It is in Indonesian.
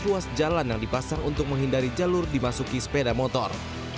sehingga ada tujuh belas luas jalan yang dipasang untuk menghindari jalur dimasuki sepeda motor